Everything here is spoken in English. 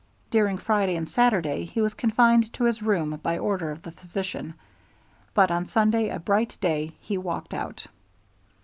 During Friday and Saturday he was confined to his room by order of the physician, but on Sunday, a bright day, he walked out.